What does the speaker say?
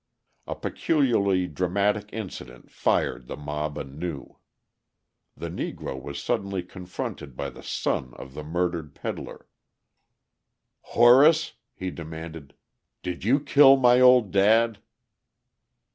A peculiarly dramatic incident fired the mob anew. The Negro was suddenly confronted by the son of the murdered peddler. "Horace," he demanded, "did you kill my old dad?"